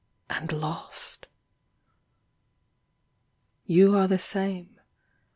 . and lost ! You are the same.